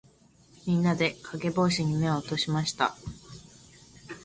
みんなで、かげぼうしに目を落としました。